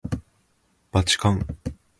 ばちかん